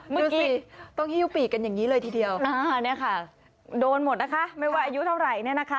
เมื่อกี้อ๋อนี่ค่ะโดนหมดนะคะไม่ว่าอายุเท่าไหร่